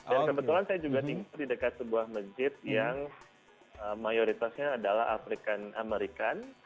dan kebetulan saya juga tinggal di dekat sebuah masjid yang mayoritasnya adalah afrikan amerikan